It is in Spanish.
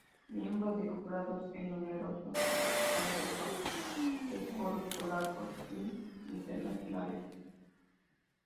Miembro de jurados en numerosos concursos de coros polacos y internacionales.